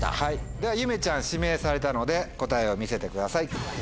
ではゆめちゃん指名されたので答えを見せてください。